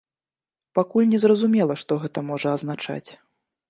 Пакуль незразумела, што гэта можа азначаць.